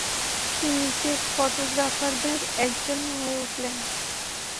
তিনি চেক ফোটোগ্রাফারদের একজন হয়ে উঠলেন ।